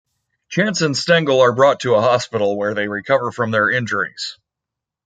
Chance and Stengel are brought to a hospital, where they recover from their injuries.